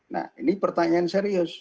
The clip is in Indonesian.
nah ini pertanyaan serius